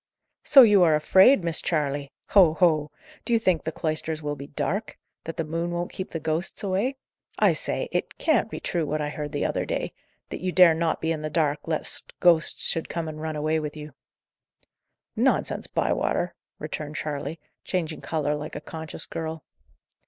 "So you are afraid, Miss Charley! Ho! ho! Do you think the cloisters will be dark? that the moon won't keep the ghosts away? I say, it can't be true, what I heard the other day that you dare not be in the dark, lest ghosts should come and run away with you!" "Nonsense, Bywater!" returned Charley, changing colour like a conscious girl.